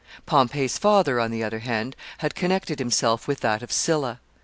Pompey's father, on the other hand, had connected himself with that of Sylla.